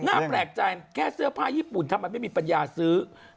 แปลกใจแค่เสื้อผ้าญี่ปุ่นทำไมไม่มีปัญญาซื้อ